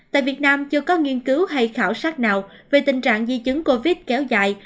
tại việt nam chưa có nghiên cứu hay khảo sát nào về tình trạng di chứng covid kéo dài